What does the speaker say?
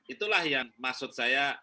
itulah yang maksud saya